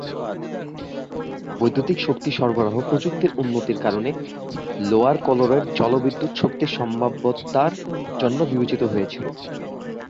বৈদ্যুতিক শক্তি সরবরাহ প্রযুক্তির উন্নতির কারণে, লোয়ার কলোরাডো জলবিদ্যুৎ-শক্তি সম্ভাব্যতার জন্য বিবেচিত হয়েছিল।